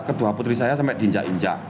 kedua putri saya sampai diinjak injak